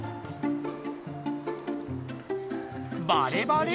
バレバレ？